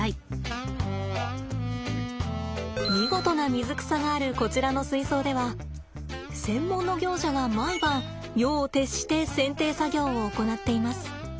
見事な水草があるこちらの水槽では専門の業者が毎晩夜を徹して剪定作業を行っています。